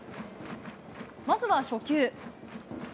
まずは初球。